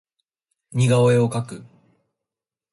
似顔絵を描く